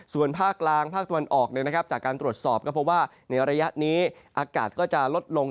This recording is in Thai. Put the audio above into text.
ส่วนภาคลังพักตระวันออกเนี่ยนะครับจากการตรวจสอบก็เพราะว่าในระยะนี้อากาศก็จะลดลง